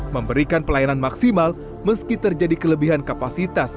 memberikan pelayanan maksimal meski terjadi kelebihan kapasitas